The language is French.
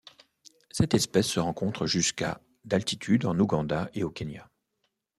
Cette espèce se rencontre jusqu'à d'altitude en Ouganda et au Kenya.